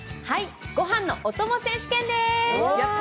ごはんのおとも選手権です。